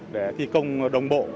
để thi công đồng bộ